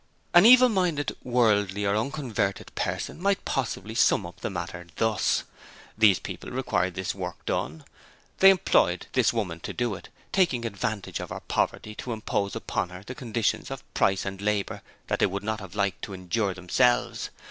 An evil minded, worldly or unconverted person might possibly sum up the matter thus: these people required this work done: they employed this woman to do it, taking advantage of her poverty to impose upon her conditions of price and labour that they would not have liked to endure themselves.